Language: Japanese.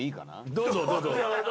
・どうぞどうぞ。